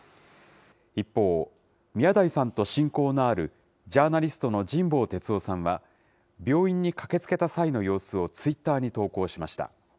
一方、宮台さんと親交のあるジャーナリストの神保哲生さんは、病院に駆けつけた際の様子をツイッターに投稿しました。